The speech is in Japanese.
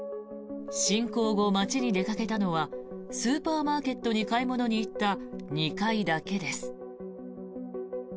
侵攻後、街に出かけたのはスーパーマーケットに買い物に行った２回だけです。